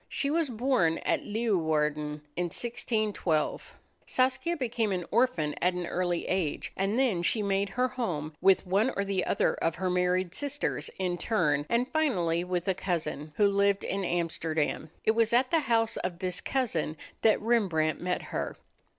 She was born at Leeuwarden in 1612. Saskia became an orphan at an early age, and then she made her home with one or the other of her married sisters in turn, and finally with a cousin, who lived in Amsterdam. It was at the house of this cousin that Rembrandt met her.